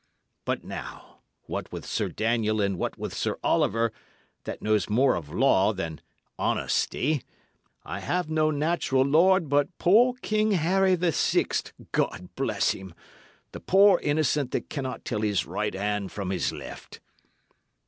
But now, what with Sir Daniel and what with Sir Oliver that knows more of law than honesty I have no natural lord but poor King Harry the Sixt, God bless him! the poor innocent that cannot tell his right hand from his left."